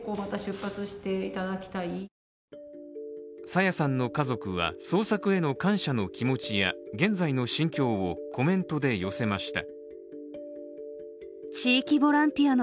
朝芽さんの家族は、捜索への感謝の気持ちや現在の心境をコメントで寄せました。